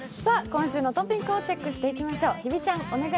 今週のトピックをチェックしていきましょう。